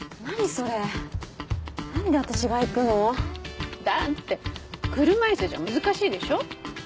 それなんで私がだって車椅子じゃ難しいでしょ？